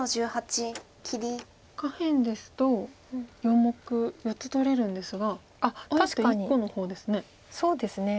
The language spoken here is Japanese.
下辺ですと４目４つ取れるんですがあえて１個の方ですね。